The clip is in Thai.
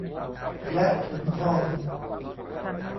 และถุงทอง